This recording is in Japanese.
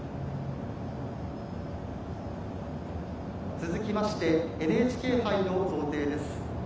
続きましてＮＨＫ杯の贈呈です。